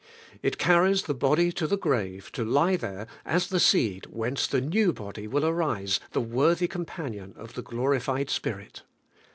It carries the body to the grave, to lie there as the seed whence the new body will arise the worthy com panion of the glorified spirit.